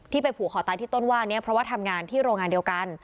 ไปผูกคอตายที่ต้นว่านี้เพราะว่าทำงานที่โรงงานเดียวกัน